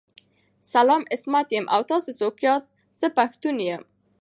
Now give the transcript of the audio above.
سلام عصمت یم او تاسو څوک ياست ذه پښتون یم